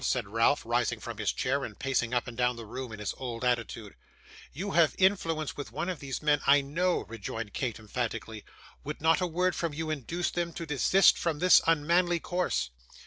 said Ralph, rising from his chair, and pacing up and down the room in his old attitude. 'You have influence with one of these men, I KNOW,' rejoined Kate, emphatically. 'Would not a word from you induce them to desist from this unmanly course?